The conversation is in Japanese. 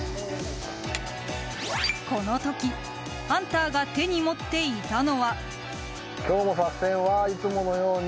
この時ハンターが手に持っていたのは。